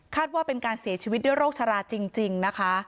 ว่าเป็นการเสียชีวิตด้วยโรคชะลาจริงนะคะ